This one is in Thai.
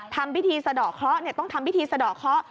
ทำวิธีสะดอกเค้าต้องทำวิธีสะดอกเค้า